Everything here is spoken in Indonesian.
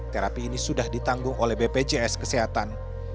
terapi ini sudah ditanggung oleh bpjs kesehatan